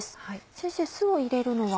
先生酢を入れるのは？